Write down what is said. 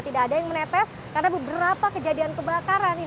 tidak ada yang menetes karena beberapa kejadian kebakaran